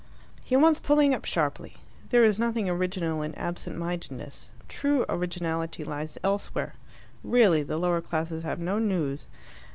"He wants pulling up sharply. There is nothing original in absent mindedness. True originality lies elsewhere. Really, the lower classes have no nous.